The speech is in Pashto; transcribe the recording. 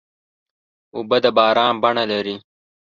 اوبه د باران بڼه لري.